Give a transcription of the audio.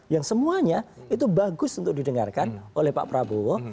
yang semuanya itu bagus untuk didengarkan oleh pak prabowo